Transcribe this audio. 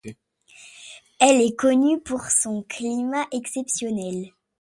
Elle est connue pour son climat exceptionnel.